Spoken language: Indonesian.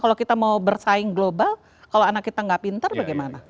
kalau kita mau bersaing global kalau anak kita nggak pinter bagaimana